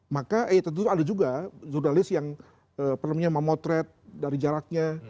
maka eh tentu ada juga jurnalis yang memotret dari jaraknya